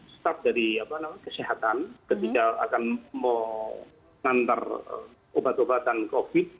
staf dari kesehatan ketika akan mengantar obat obatan covid sembilan belas